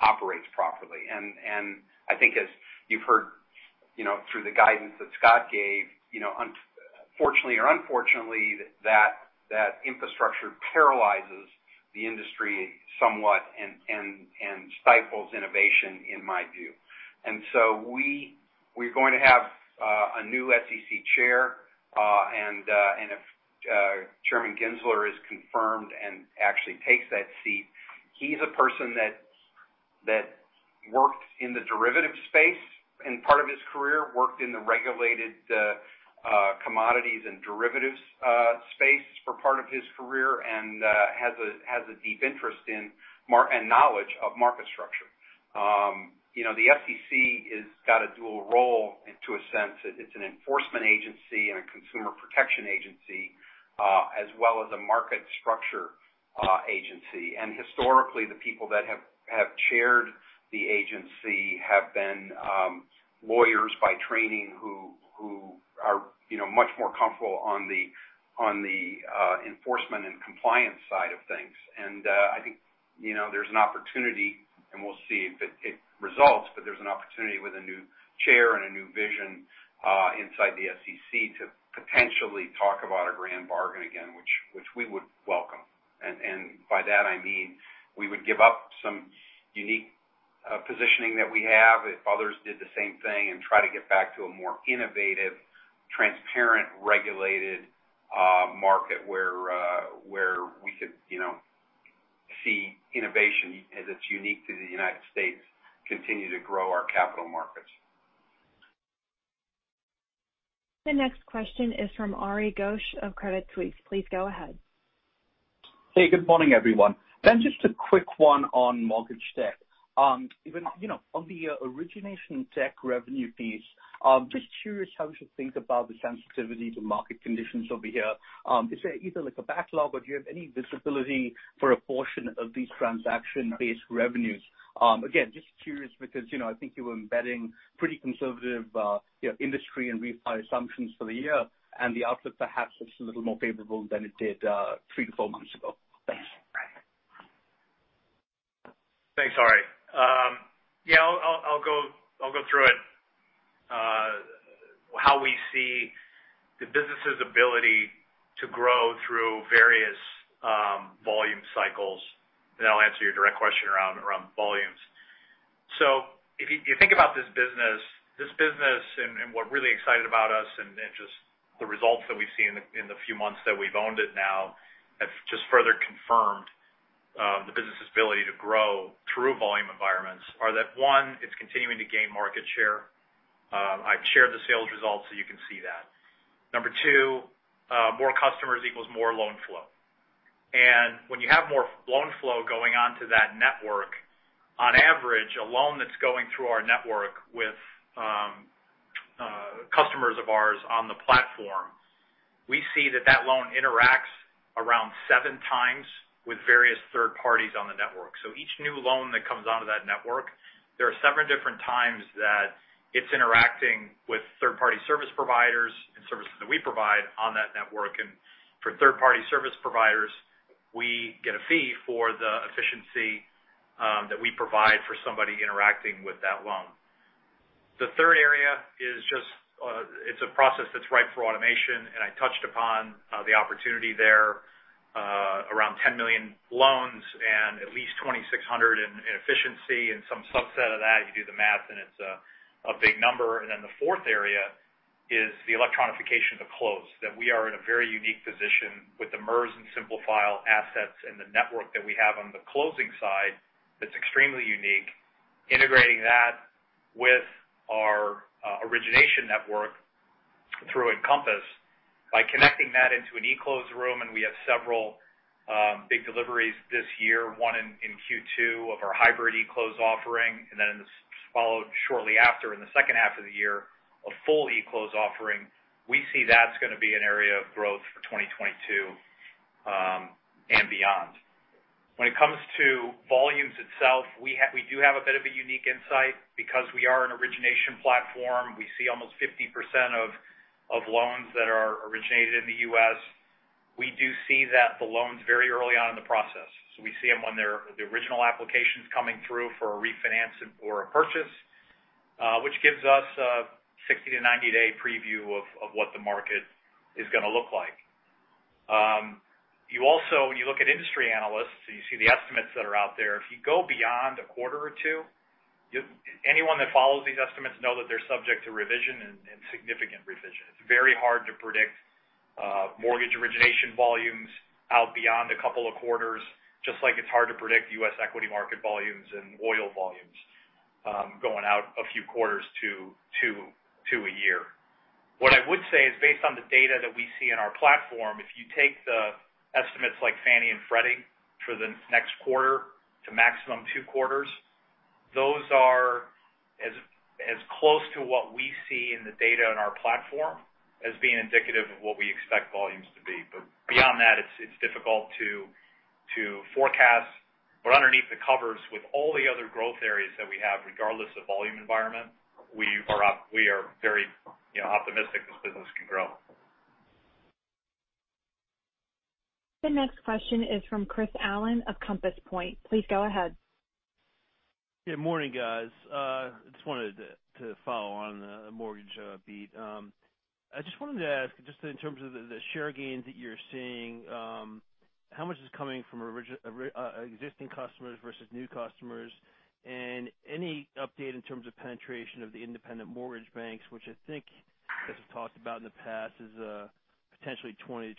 operates properly. I think as you've heard through the guidance that Scott gave, fortunately or unfortunately, that infrastructure paralyzes the industry somewhat and stifles innovation in my view. So we're going to have a new SEC chair. If Chairman Gensler is confirmed and actually takes that seat, he's a person that worked in the derivative space in part of his career, worked in the regulated commodities and derivatives space for part of his career, and has a deep interest and knowledge of market structure. The SEC has got a dual role to a sense. It's an enforcement agency and a consumer protection agency as well as a market structure agency. Historically, the people that have chaired the agency have been lawyers by training who are much more comfortable on the enforcement and compliance side of things. I think there's an opportunity, and we'll see if it results, but there's an opportunity with a new chair and a new vision inside the SEC to potentially talk about a grand bargain again, which we would welcome. By that I mean we would give up some unique positioning that we have if others did the same thing and try to get back to a more innovative, transparent, regulated market where we could see innovation as it's unique to the United States continue to grow our capital markets. The next question is from Ari Ghosh of Credit Suisse. Please go ahead. Hey, good morning, everyone. Ben, just a quick one on mortgage tech. On the origination tech revenue piece, just curious how we should think about the sensitivity to market conditions over here. Is there either like a backlog or do you have any visibility for a portion of these transaction-based revenues? Again, just curious because I think you were embedding pretty conservative industry and refi assumptions for the year, and the outlook perhaps looks a little more favorable than it did three to four months ago. Thanks. Thanks, Ari. Yeah, I'll go through it, how we see the business's ability to grow through various volume cycles, then I'll answer your direct question around volumes. If you think about this business, and what really excited about us and just the results that we've seen in the few months that we've owned it now, have just further confirmed the business's ability to grow through volume environments are that, one, it's continuing to gain market share. I've shared the sales results, so you can see that. Number two, more customers equals more loan flow. When you have more loan flow going onto that network, on average, a loan that's going through our network with customers of ours on the platform, we see that that loan interacts around seven times with various third parties on the network. Each new loan that comes onto that network, there are seven different times that it's interacting with third-party service providers and services that we provide on that network. For third-party service providers, we get a fee for the efficiency that we provide for somebody interacting with that loan. The third area is just, it's a process that's ripe for automation, and I touched upon the opportunity there. Around 10 million loans and at least $2,600 in efficiency and some subset of that. You do the math, and it's a big number. The fourth area is the electronification of close, that we are in a very unique position with the MERS and Simplifile assets and the network that we have on the closing side that's extremely unique. Integrating that with our origination network through Encompass by connecting that into an eClose room, and we have several big deliveries this year, one in Q2 of our hybrid eClose offering, and then followed shortly after in the second half of the year, a full eClose offering. We see that's going to be an area of growth for 2022 and beyond. When it comes to volumes itself, we do have a bit of a unique insight because we are an origination platform. We see almost 50% of loans that are originated in the U.S. We do see that the loans very early on in the process. We see them when the original application's coming through for a refinance or a purchase, which gives us a 60-day to 90-day preview of what the market is going to look like. You also, when you look at industry analysts, you see the estimates that are out there. If you go beyond a quarter or two, anyone that follows these estimates know that they're subject to revision and significant revision. It's very hard to predict mortgage origination volumes out beyond a couple of quarters, just like it's hard to predict U.S. equity market volumes and oil volumes going out a few quarters to two a year. What I would say is based on the data that we see in our platform, if you take the estimates like Fannie and Freddie for the next quarter to maximum two quarters, those are as close to what we see in the data in our platform as being indicative of what we expect volumes to be. Beyond that, it's difficult to forecast but underneath the covers with all the other growth areas that we have, regardless of volume environment, we are very optimistic this business can grow. The next question is from Chris Allen of Compass Point. Please go ahead. Good morning, guys. Just wanted to follow on the mortgage beat. I just wanted to ask, just in terms of the share gains that you're seeing, how much is coming from existing customers versus new customers? Any update in terms of penetration of the independent mortgage banks, which I think as we've talked about in the past, is a potentially 20%-25%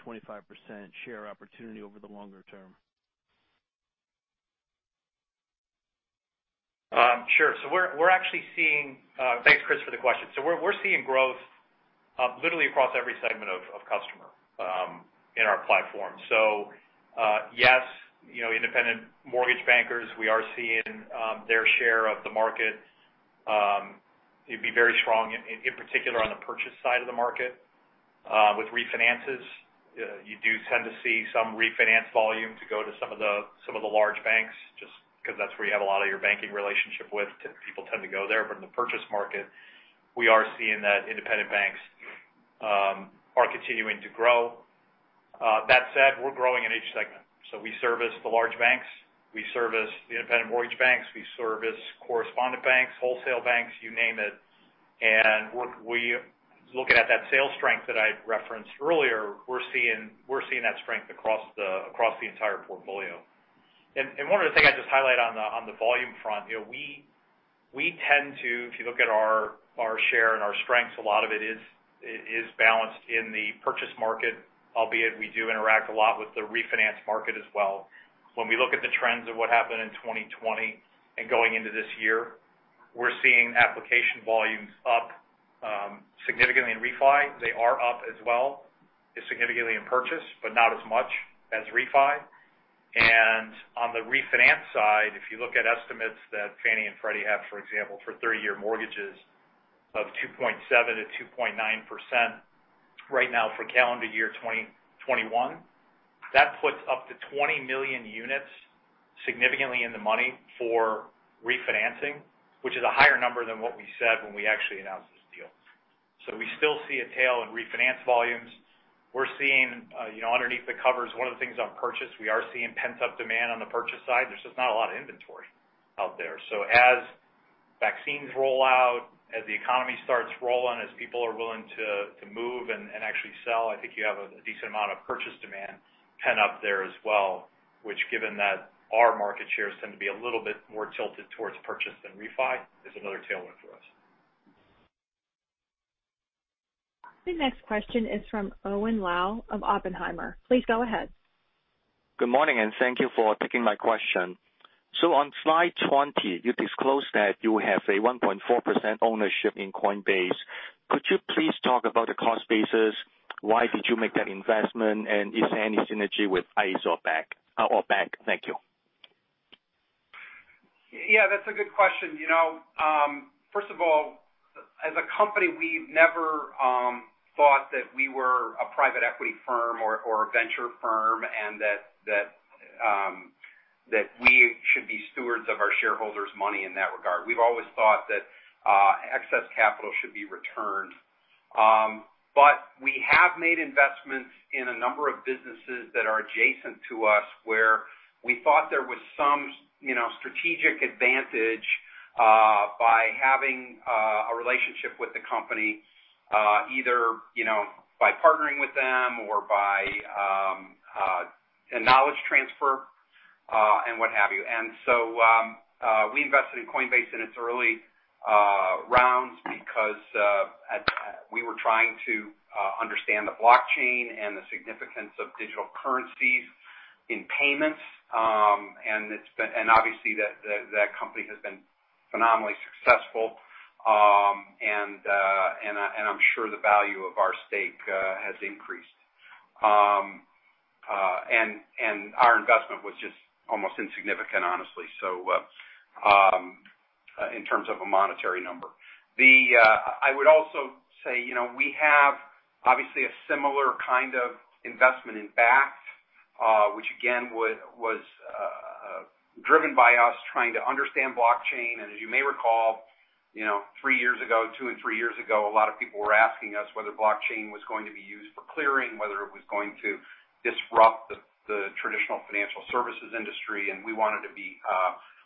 share opportunity over the longer term? Sure. Thanks, Chris, for the question. We're seeing growth literally across every segment of customer in our platform. Yes, independent mortgage bankers, we are seeing their share of the market. It'd be very strong, in particular, on the purchase side of the market. With refinances, you do tend to see some refinance volumes go to some of the large banks, just because that's where you have a lot of your banking relationship with. People tend to go there. In the purchase market, we are seeing that independent banks are continuing to grow. That said, we're growing in each segment. We service the large banks. We service the independent mortgage banks. We service correspondent banks, wholesale banks, you name it. Looking at that sales strength that I referenced earlier, we're seeing that strength across the entire portfolio. One other thing I'd just highlight on the volume front, we tend to, if you look at our share and our strengths, a lot of it is balanced in the purchase market, albeit we do interact a lot with the refinance market as well. When we look at the trends of what happened in 2020 and going into this year, we're seeing application volumes up significantly in refi. They are up as well as significantly in purchase, but not as much as refi. On the refinance side, if you look at estimates that Fannie and Freddie have, for example, for 30-year mortgages of 2.7%-2.9% right now for calendar year 2021, that puts up to 20 million units significantly in the money for refinancing, which is a higher number than what we said when we actually announced this deal. We still see a tail in refinance volumes. We're seeing underneath the covers, one of the things on purchase, we are seeing pent-up demand on the purchase side. There's just not a lot of inventory out there. As vaccines roll out, as the economy starts rolling, as people are willing to move and actually sell, I think you have a decent amount of purchase demand pent up there as well, which given that our market shares tend to be a little bit more tilted towards purchase than refi, is another tailwind for us. The next question is from Owen Lau of Oppenheimer. Please go ahead. Good morning, and thank you for taking my question. On slide 20, you disclosed that you have a 1.4% ownership in Coinbase. Could you please talk about the cost basis? Why did you make that investment? Is there any synergy with ICE or Bakkt? Thank you. Yeah, that's a good question. First of all, as a company, we've never thought that we were a private equity firm or a venture firm, and that we should be stewards of our shareholders' money in that regard. We've always thought that excess capital should be returned. We have made investments in a number of businesses that are adjacent to us, where we thought there was some strategic advantage by having a relationship with the company either by partnering with them or by a knowledge transfer and what have you. We invested in Coinbase in its early rounds because we were trying to understand the blockchain and the significance of digital currencies in payments. Obviously that company has been phenomenally successful. I'm sure the value of our stake has increased. Our investment was just almost insignificant, honestly, in terms of a monetary number. I would also say we have obviously a similar kind of investment in Bakkt, which again, was driven by us trying to understand blockchain. As you may recall, three years ago, two and three years ago, a lot of people were asking us whether blockchain was going to be used for clearing, whether it was going to disrupt the traditional financial services industry. We wanted to be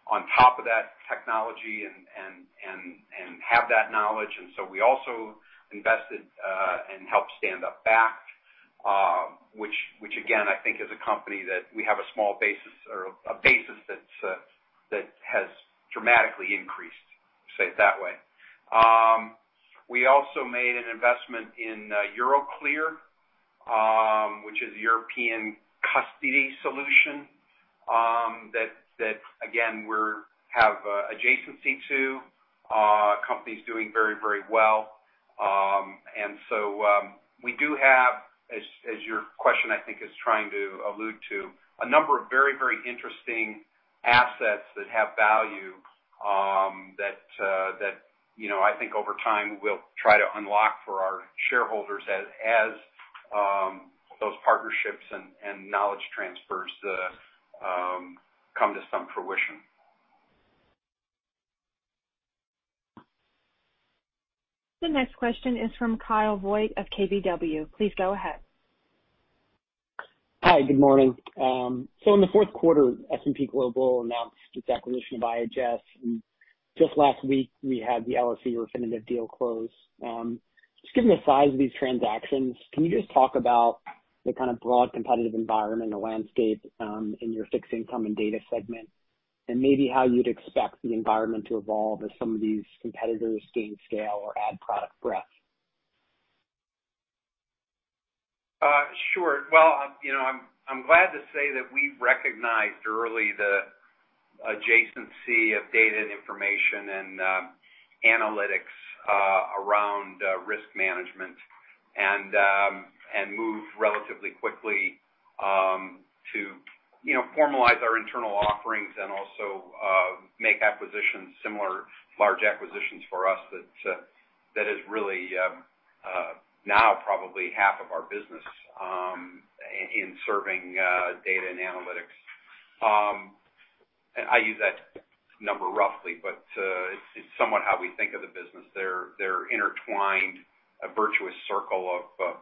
on top of that technology and have that knowledge. We also invested and helped stand up Bakkt which again, I think is a company that we have a small basis or a basis that has dramatically increased. Say it that way. We also made an investment in Euroclear which is a European custody solution that again, we have adjacency to. Company's doing very well. We do have, as your question I think is trying to allude to, a number of very interesting assets that have value that I think over time we'll try to unlock for our shareholders as those partnerships and knowledge transfers come to some fruition. The next question is from Kyle Voigt of KBW. Please go ahead. Hi. Good morning. In the fourth quarter, S&P Global announced its acquisition of IHS. Just last week we had the LSE definitive deal close. Just given the size of these transactions, can you just talk about the kind of broad competitive environment or landscape in your fixed income and data segment? Maybe how you'd expect the environment to evolve as some of these competitors gain scale or add product breadth? Sure. Well, I'm glad to say that we recognized early the adjacency of data and information and analytics around risk management and moved relatively quickly to formalize our internal offerings and also make acquisitions, similar large acquisitions for us that is really now probably half of our business in serving data and analytics. I use that number roughly, but it's somewhat how we think of the business. They're intertwined, a virtuous circle of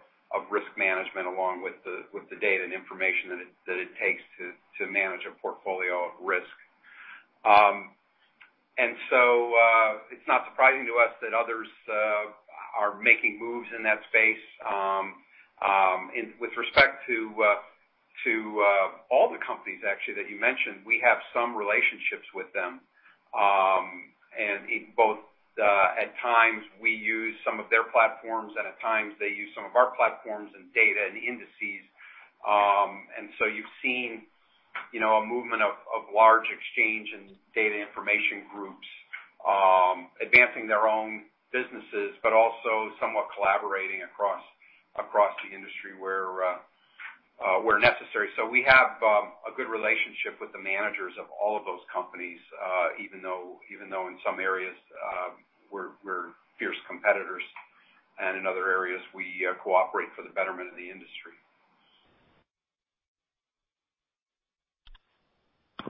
risk management along with the data and information that it takes to manage a portfolio of risk. It's not surprising to us that others are making moves in that space. With respect to all the companies actually that you mentioned, we have some relationships with them. Both at times we use some of their platforms, and at times they use some of our platforms and data and indices. You've seen a movement of large exchange and data information groups advancing their own businesses, but also somewhat collaborating across the industry where necessary. We have a good relationship with the managers of all of those companies, even though in some areas we're fierce competitors, and in other areas, we cooperate for the betterment of the industry.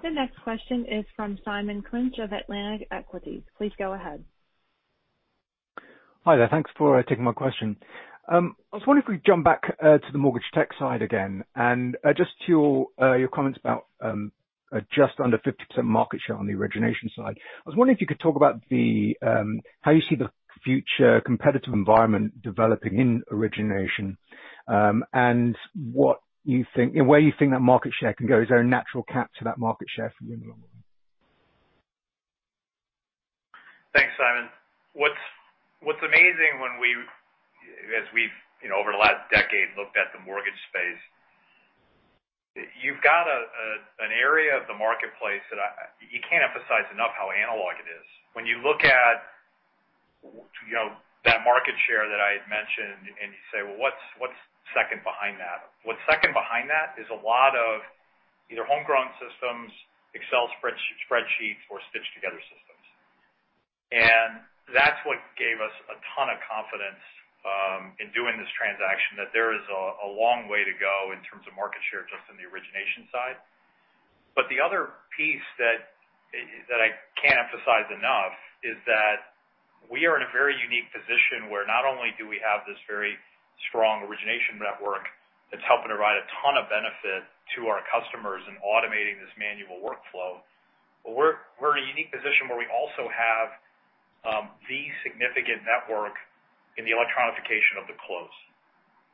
The next question is from Simon Clinch of Atlantic Equities. Please go ahead. Hi there. Thanks for taking my question. I was wondering if we jump back to the mortgage tech side again and just to your comments about just under 50% market share on the origination side. I was wondering if you could talk about how you see the future competitive environment developing in origination, and where you think that market share can go. Is there a natural cap to that market share for you in the long run? Thanks, Simon. What's amazing when we, as we've over the last decade, looked at the mortgage space, you've got an area of the marketplace that you can't emphasize enough how analog it is. When you look at that market share that I had mentioned and you say, "Well, what's second behind that?" What's second behind that is a lot of either homegrown systems, Excel spreadsheets or stitched-together systems. That's what gave us a ton of confidence in doing this transaction, that there is a long way to go in terms of market share just in the origination side. The other piece that I can't emphasize enough is that we are in a very unique position where not only do we have this very strong origination network that's helping to provide a ton of benefit to our customers in automating this manual workflow, but we're in a unique position where we also have the significant network in the electronification of the close,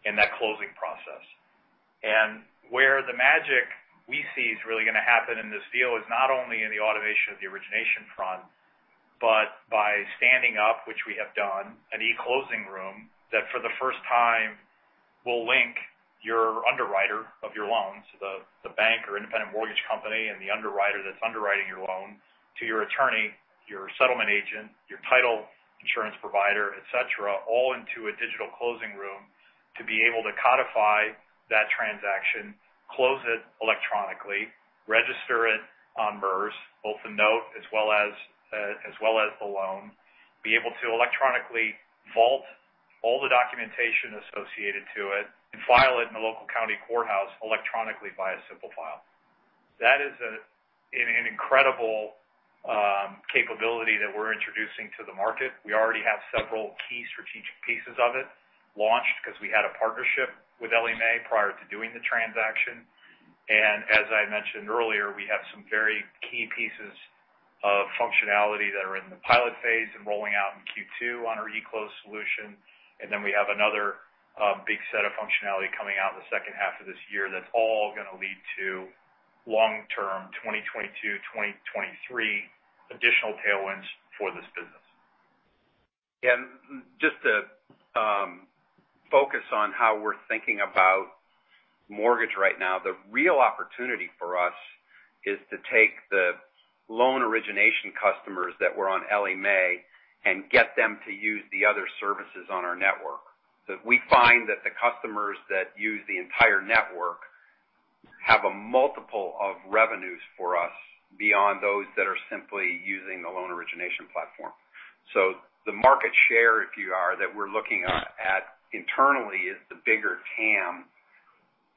in that closing process. Where the magic we see is really going to happen in this deal is not only in the automation of the origination front, but by standing up, which we have done, an e-closing room that for the first time will link your underwriter of your loans, the bank or independent mortgage company, and the underwriter that's underwriting your loan to your attorney, your settlement agent, your title insurance provider, et cetera, all into a digital closing room to be able to codify that transaction, close it electronically, register it on MERS, both the note as well as the loan, be able to electronically vault all the documentation associated to it, and file it in the local county courthouse electronically via Simplifile. That is an incredible capability that we're introducing to the market. We already have several key strategic pieces of it launched because we had a partnership with Ellie Mae prior to doing the transaction. As I mentioned earlier, we have some very key pieces of functionality that are in the pilot phase and rolling out in Q2 on our eClose solution. Then we have another big set of functionality coming out in the second half of this year that's all going to lead to long-term 2022, 2023 additional tailwinds for this business. Just to focus on how we're thinking about mortgage right now. The real opportunity for us is to take the loan origination customers that were on Ellie Mae and get them to use the other services on our network. We find that the customers that use the entire network have a multiple of revenues for us beyond those that are simply using the loan origination platform. The market share, if you are, that we're looking at internally is the bigger TAM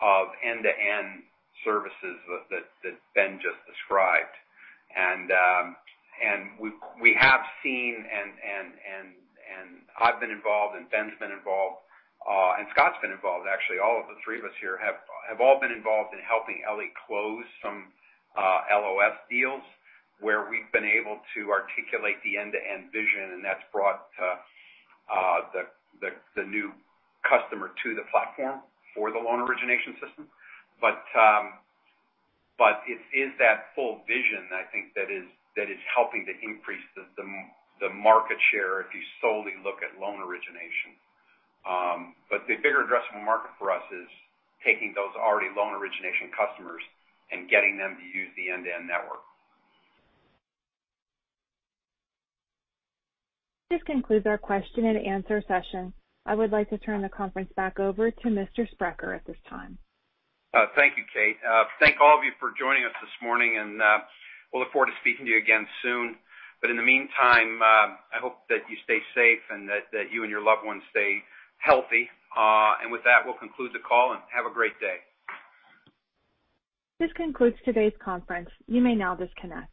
of end-to-end services that Ben just described. We have seen and I've been involved, Ben's been involved, and Scott's been involved. Actually, all of the three of us here have all been involved in helping Ellie close some LOS deals where we've been able to articulate the end-to-end vision, and that's brought the new customer to the platform for the loan origination system. It is that full vision, I think, that is helping to increase the market share if you solely look at loan origination. The bigger addressable market for us is taking those already loan origination customers and getting them to use the end-to-end network. This concludes our question and answer session. I would like to turn the conference back over to Mr. Sprecher at this time. Thank you, Kate. Thank all of you for joining us this morning. We'll look forward to speaking to you again soon. In the meantime, I hope that you stay safe and that you and your loved ones stay healthy. With that, we'll conclude the call and have a great day. This concludes today's conference. You may now disconnect.